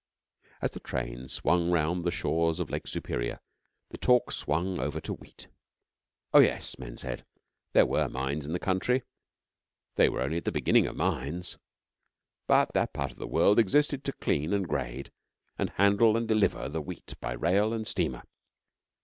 As the train swung round the shores of Lake Superior the talk swung over to Wheat. Oh yes, men said, there were mines in the country they were only at the beginning of mines but that part of the world existed to clean and grade and handle and deliver the Wheat by rail and steamer.